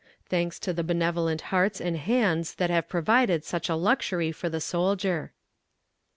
Thanks to the benevolent hearts and hands that have provided such a luxury for the soldier.